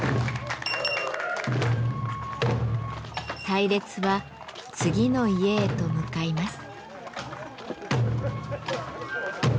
隊列は次の家へと向かいます。